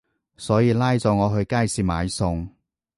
所以拉咗我去街市買餸